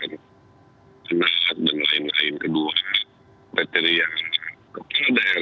yang saya tahu kan selama ini kan ada pak sok pak bambang brojok pak zuan nath dan lain lain